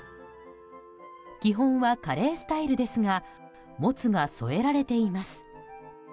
基本はカレースタイルですがもつが添えられています。